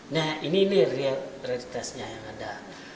nah ini nih realitasnya yang ada